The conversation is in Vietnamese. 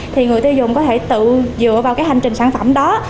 thì người tiêu dùng có thể tự dựa vào cái hành trình sản phẩm đó